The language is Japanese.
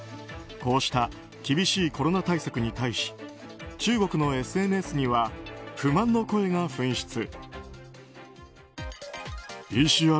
こうした厳しいコロナ対策に対し中国のＳＮＳには不満の声が噴出。